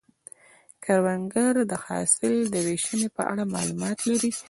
کروندګر د حاصل د ویشنې په اړه معلومات لري